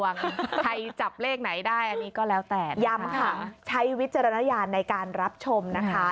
ใครจับเลขไหนได้อันนี้ก็แล้วแต่ย้ำค่ะใช้วิจารณญาณในการรับชมนะคะ